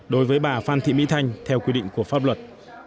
đối với bà phan thị mỹ thanh theo quy định của pháp luật